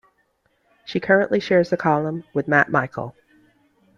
She currently shares the column with Matt Michael.